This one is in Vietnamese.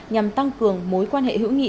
nhằm tăng cường mối quan hệ hữu nghị